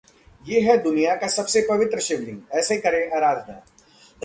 ये है दुनिया का सबसे पवित्र शिवलिंग, ऐसे करें आराधना